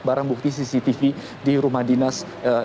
barang bukti cctv di rumah dinas